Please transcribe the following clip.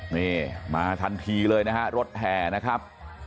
นี่มาทันทีเลยนะฮะรถแห่นะครับ